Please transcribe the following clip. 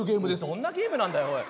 どんなゲームなんだよおい。